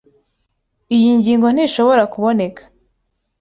Iyo ngingo ntishobora kuboneka.